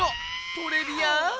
トレビアン！